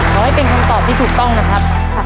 ขอให้เป็นคำตอบที่ถูกต้องนะครับ